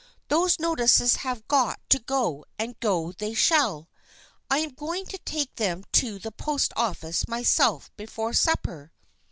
Those notices have got to go and go they shall. I am going to take them to the post office myself before supper.